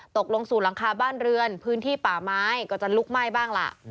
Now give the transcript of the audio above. ตกลงสู่หลังคาบ้านเรือนพื้นที่ป่าไม้ก็จะลุกไหม้บ้างล่ะ